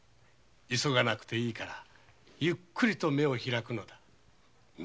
急がなくていいからゆっくり目を開くのだ。